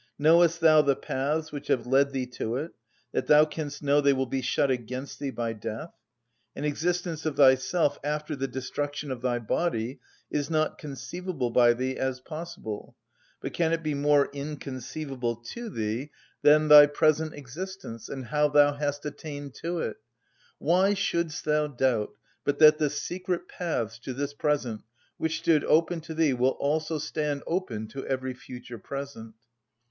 Knowest thou the paths which have led thee to it, that thou canst know they will be shut against thee by death? An existence of thyself after the destruction of thy body is not conceivable by thee as possible; but can it be more inconceivable to thee than thy present existence, and how thou hast attained to it? Why shouldst thou doubt but that the secret paths to this present, which stood open to thee, will also stand open to every future present?"